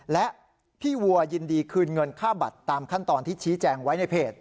และพี่วัวยินดีคืนเงินค่าบัตรตามขั้นตอนที่ชี้แจงไว้ในเพจ